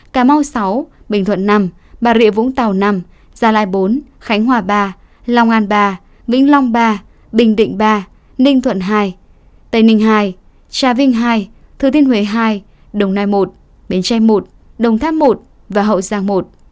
cà mau sáu bình thuận năm bà rịa vũng tàu năm gia lai bốn khánh hòa ba long an ba vĩnh long ba bình định ba ninh thuận hai tây ninh hai trà vinh ii thừa thiên huế hai đồng nai một bến tre i đồng tháp một và hậu giang một